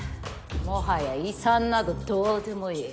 もはや遺産などどうでもいい。